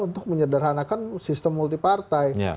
untuk menyederhanakan sistem multipartai